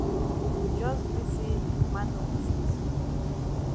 Jos gree say man no go fit.